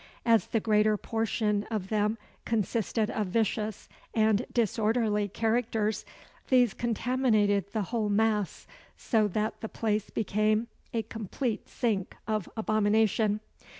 As the greater portion of them consisted of vicious and disorderly characters, these contaminated the whole mass, so that the place became a complete sink of abomination.